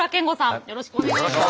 よろしくお願いします。